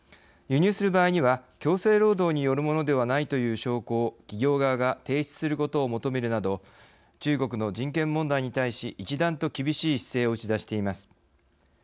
輸入する場合には強制労働によるものではないという証拠を企業側が提出することを求めるなど中国の人権問題に対し一段と厳しい姿勢を打ち出しています。